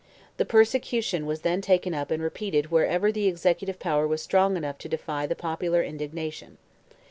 The persecution was then taken up and repeated wherever the executive power was strong enough to defy the popular indignation.